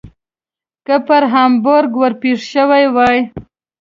که پر هامبورګ ور پیښ شوي وای.